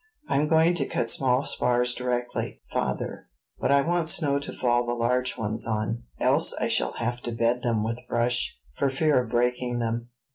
"I'm going to cut small spars directly, father; but I want snow to fall the large ones on, else I shall have to bed them with brush, for fear of breaking them."